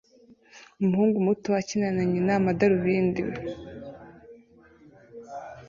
Umuhungu muto akina na nyina amadarubindi